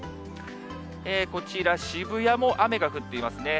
こちら、渋谷も雨が降っていますね。